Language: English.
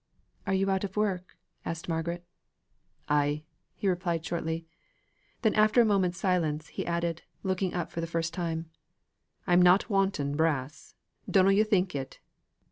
"Are you out of work?" asked Margaret. "Ay," he replied shortly. Then, after a moment's silence, he added, looking up for the first time: "I'm not wanting brass. Dunno yo' think it.